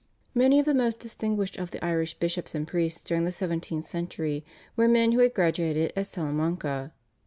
Many of the most distinguished of the Irish bishops and priests during the seventeenth century were men who had graduated at Salamanca.